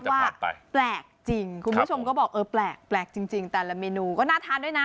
ว่าแปลกจริงคุณผู้ชมก็บอกเออแปลกจริงแต่ละเมนูก็น่าทานด้วยนะ